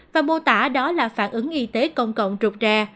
và mô tả đó là phản ứng y tế công cộng rụt rè